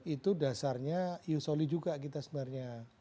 itu dasarnya ius soli juga kita sembarnya